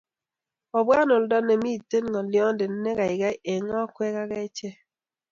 obwa oldo nemito ng'olionde ne keikei eng' akwek ak achek